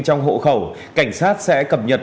trong hộ khẩu cảnh sát sẽ cập nhật